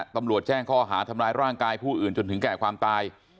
ตำรวจแจ้งข้อหาทำร้ายร่างกายผู้อื่นจนถึงแก่ความตาย